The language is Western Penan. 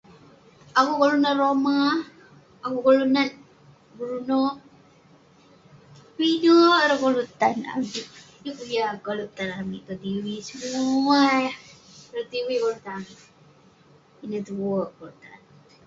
Akuek koluk nat rome akuek koluk nat bruno, pinek ireh koluk tan neh ayuk neh yeng jiak tan amik tong tv semua ireh tong tv koluk tan amik ineh tuek